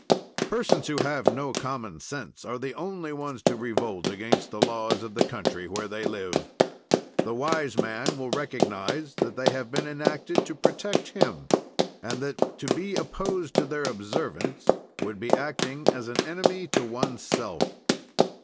"Persons who have no common sense are the only ones to revolt against the laws of the country where they live. "The wise man will recognize that they have been enacted to protect him and that to be opposed to their observance would be acting as an enemy to oneself."